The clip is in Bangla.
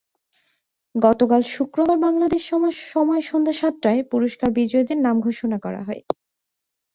গতকাল শুক্রবার বাংলাদেশ সময় সন্ধ্যা সাতটায় পুরস্কার বিজয়ীদের নাম ঘোষণা করা হয়।